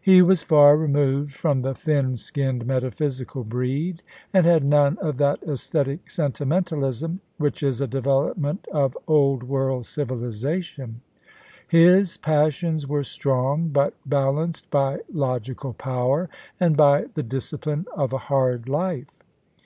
He was far removed from the thin skinned, metaphysical breed, and had none of that aesthetic sentimentalism which is a development of Old World civilisation His passions were strong, but balanced by logical power and by the discipline of a hard life.